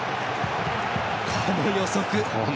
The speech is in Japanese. この予測。